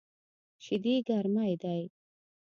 شیدې ګرمی دی